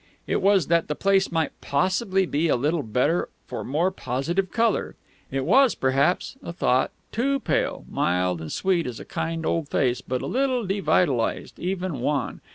It was that the place might possibly be a little better for more positive colour. It was, perhaps, a thought too pale mild and sweet as a kind old face, but a little devitalised, even wan....